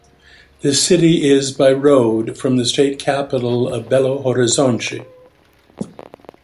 The city is by road from the state capital of Belo Horizonte.